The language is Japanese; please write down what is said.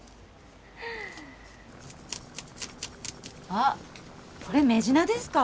あっこれメジナですか？